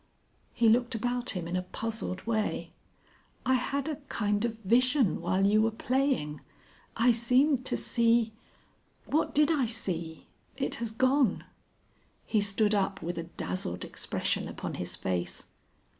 He looked about him in a puzzled way. "I had a kind of vision while you were playing. I seemed to see . What did I see? It has gone." He stood up with a dazzled expression upon his face.